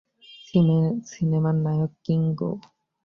সিনেমার নায়ক, কিঙ্গো।